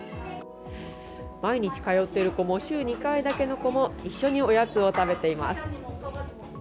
毎日通っている子も、週２回だけの子も一緒におやつを食べています。